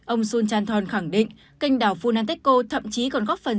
ông sul chan thon khẳng định canh đảo funanteko thậm chí còn góp phần